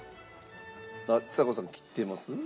あっちさ子さん切ってます？